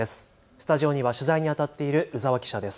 スタジオには取材にあたっている鵜澤記者です。